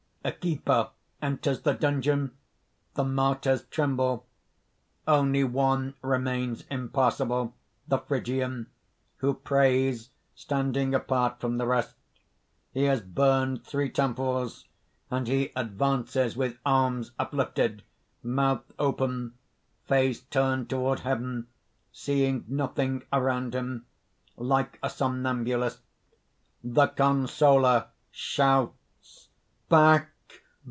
_ A keeper enters the dungeon; the martyrs tremble. _Only one remains impassable, the Phrygian, who prays standing apart from the rest. He has burned three temples; and he advances with arms uplifted, mouth open, face turned toward heaven, seeing nothing around him, like a somnambulist._) THE CONSOLER (shouts). "Back!